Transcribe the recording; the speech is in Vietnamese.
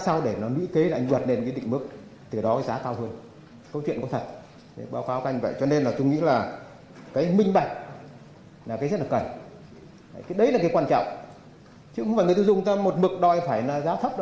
chứ không phải người tiêu dùng ta một bực đòi phải là giá thấp